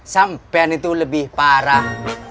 sampian itu lebih parah